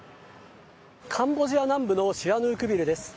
カンボジア南部のシアヌークビルです。